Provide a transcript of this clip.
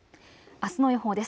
あすの予報です。